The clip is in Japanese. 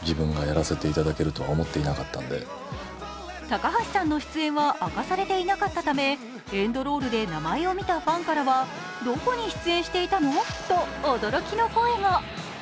高橋さんの出演は明かされていなかったためエンドロールで名前を見たファンからはどこに出演していたの？と驚きの声が。